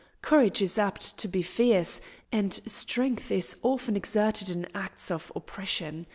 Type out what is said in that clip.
Courage is apt to be fierce, and strength is often exerted in acts of oppression.